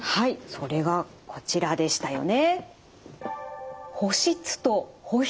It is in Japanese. それがこちらでしたよね。